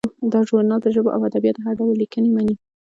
دا ژورنال د ژبو او ادبیاتو هر ډول لیکنې مني.